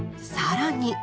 更に。